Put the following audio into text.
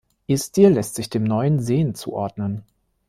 Ihr Stil lässt sich dem Neuen Sehen zuordnen.